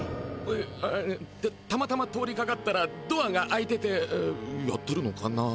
えったまたま通りかかったらドアが開いててやってるのかなって。